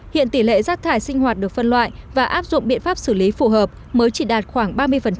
hiện tỷ lệ rác thải sinh hoạt được phân loại và áp dụng biện pháp xử lý phù hợp mới chỉ đạt khoảng ba mươi